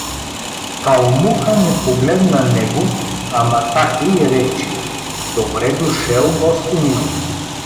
Калмука не погледна него, а Матаке и рече: — Добре дошел, гостенино!